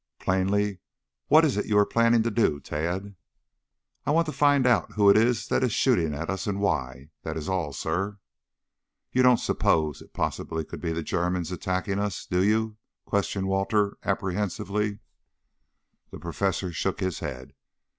"Plainly, what is it you are planning to do, Tad?" "I want to find out who it is that is shooting at us and why. That is all, sir." "You don't suppose it possibly could be the Germans attacking us, do you?" questioned Walter apprehensively. The professor shook his head.